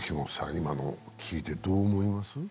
今のを聞いてどう思います？